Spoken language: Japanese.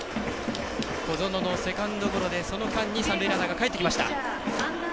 小園のセカンドゴロで、その間に三塁ランナーがかえってきました。